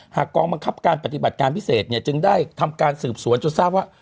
กองบังคับการปฏิบัติการพิเศษเนี่ยจึงได้ทำการสืบสวนจนทราบว่า